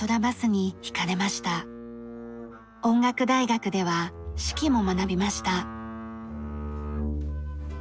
音楽大学では指揮も学びました。